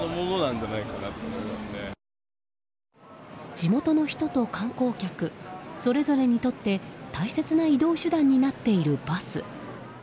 地元の人と観光客それぞれにとって大切な移動手段になっているバス。